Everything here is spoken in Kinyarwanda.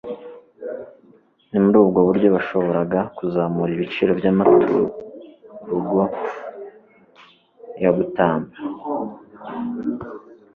Ni muri ubwo buryo bashoboraga kuzamura ibiciro by'amaturugo yo gutamba;